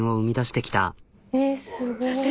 えっすごい。